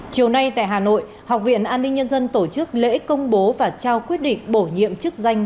chiều nay tại hà nội học viện an ninh nhân dân tổ chức lễ công bố và trao quyết định bổ nhiệm chức danh